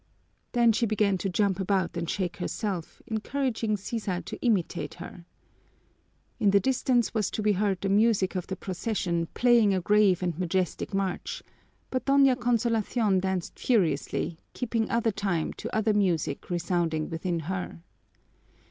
Then she began to jump about and shake herself, encouraging Sisa to imitate her. In the distance was to be heard the music of the procession playing a grave and majestic march, but Doña Consolacion danced furiously, keeping other time to other music resounding within her.